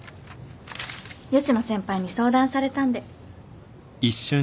吉野先輩に相談されたんで。